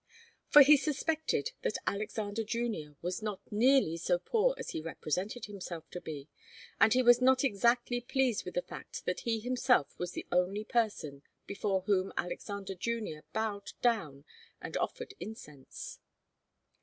For he suspected that Alexander Junior was not nearly so poor as he represented himself to be, and he was not exactly pleased with the fact that he himself was the only person before whom Alexander Junior bowed down and offered incense.